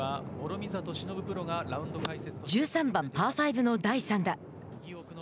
１３番パー５の第３打。